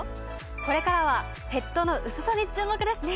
これからはヘッドの薄さに注目ですね！